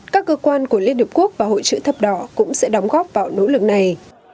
các cơ quan của liên hợp quốc và hội chữ thập đỏ cũng sẽ đóng góp vào nỗ lực này